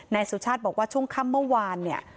นายสุชาติบอกว่าช่วงค่ำเมื่อวานเนี่ย